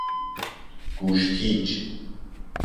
گوش پیچ